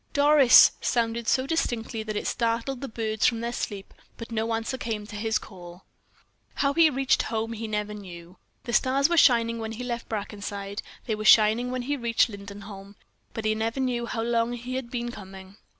"Doris!" sounded so distinctly that it startled the birds from their sleep; but no answer came to his call. How he reached home he never knew. The stars were shining when he left Brackenside they were shining when he reached Lindenholm; but he never knew how long he had been coming.